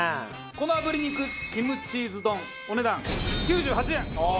このあぶり肉キムチーズ丼お値段９８円！